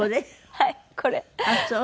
はい。